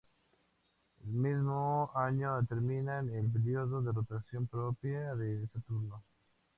El mismo año determinaron el período de rotación propia de Saturno.